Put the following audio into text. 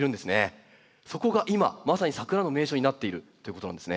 そこが今まさにサクラの名所になっているということなんですね。